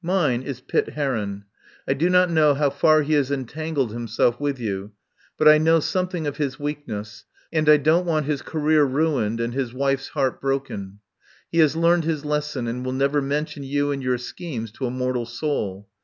Mine is Pitt Heron. I do not know how far he has entangled him 197 THE POWER HOUSE self with you, but I know something of his weakness, and I don't want his career ruined and his wife's heart broken. He has learned his lesson, and will never mention you and your schemes to a mortal soul.